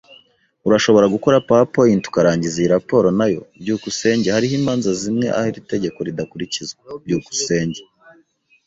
Urashobora gukora PowerPoint ukarangiza iyi raporo, nayo? byukusenge Hariho imanza zimwe aho iri tegeko ridakurikizwa. byukusenge